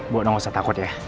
bok nausah takut ya